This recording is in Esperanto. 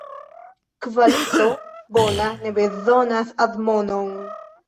Kvalito bona ne bezonas admonon.